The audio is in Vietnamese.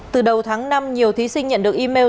từ đầu tháng năm nhiều thí sinh nhận được email